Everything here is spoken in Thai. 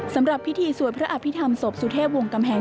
สำหรับพิธีสวดพระอภิษฐรรมศพสุเทพวงกำแหง